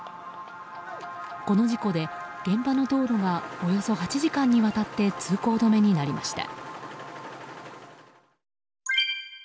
この事故で現場の道路がおよそ８時間にわたって通行止めになりました。